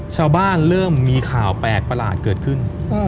เริ่มมีข่าวแปลกประหลาดเกิดขึ้น